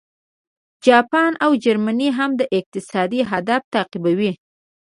جاپان او جرمني هم دا اقتصادي هدف تعقیبوي